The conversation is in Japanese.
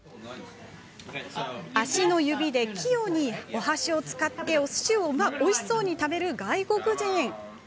足の指で器用にお箸を使っておすしをおいしそうに食べる外国人。